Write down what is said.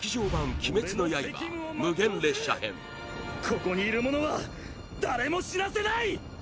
ここにいる者は誰も死なせない！